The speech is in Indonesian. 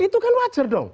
itu kan wajar dong